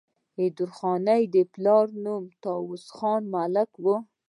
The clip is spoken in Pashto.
او د درخانۍ د پلار نوم طاوس خان ملک وو